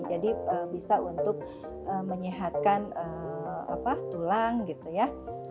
jadi bisa untuk menyehatkan tulang gitu ya